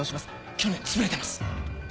去年つぶれてます。